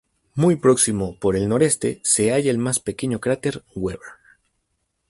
Muy próximo por el noroeste se halla el más pequeño cráter Weber.